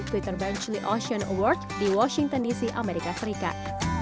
twitter benchley ocean award di washington dc amerika serikat